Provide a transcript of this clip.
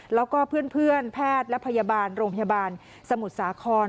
แล้วก็เพื่อนแพทย์และพยาบาลโรงพยาบาลสมุทรสาคร